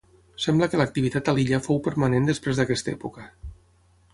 Sembla que l'activitat a l'illa fou permanent després d'aquesta època.